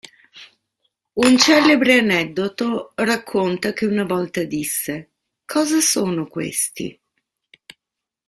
Un celebre aneddoto racconta che una volta disse: "Cosa sono questi?